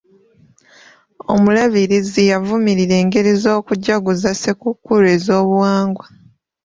Omulabirizi yavumirira engeri z'okujaguza ssekukulu ez'obuwangwa.